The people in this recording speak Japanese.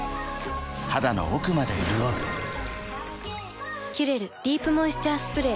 肌の奥まで潤う「キュレルディープモイスチャースプレー」